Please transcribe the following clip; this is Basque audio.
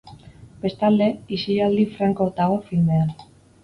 Bestalde, isilaldi franko dago filmean.